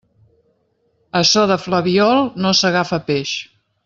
A so de flabiol no s'agafa peix.